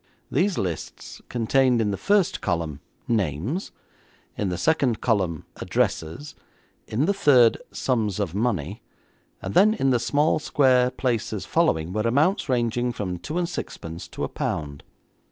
These lists contained in the first column, names; in the second column, addresses; in the third, sums of money; and then in the small, square places following were amounts ranging from two and sixpence to a pound.